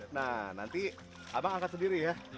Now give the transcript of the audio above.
nah nanti abang angkat sendiri ya